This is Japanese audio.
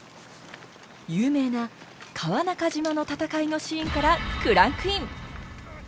有名な川中島の戦いのシーンからクランクイン！